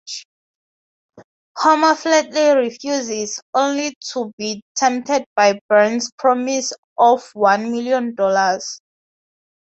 Homer flatly refuses, only to be tempted by Burns' promise of one million dollars.